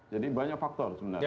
jadi banyak faktor sebenarnya